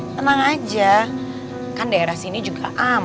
tenang aja kan daerah sini juga aman